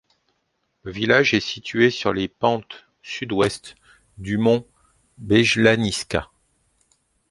Le village est situé sur les pentes sud-ouest du mont Bjelašnica.